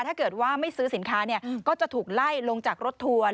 ถ้าเกิดว่าไม่ซื้อสินค้าก็จะถูกไล่ลงจากรถทัวร์